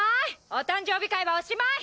お誕生日会はおしまい！